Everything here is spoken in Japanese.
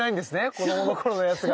子どもの頃のやつが。